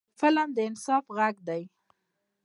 فلم د انصاف غږ دی